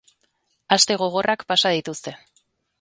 Aste gogorrak pasa dituzte.